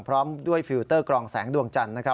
พร้อมด้วยฟิลเตอร์กรองแสงดวงจันทร์